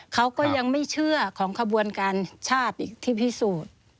เขาก็ยังไม่เชื่อของขบวนการชาติอีกที่พิสูจน์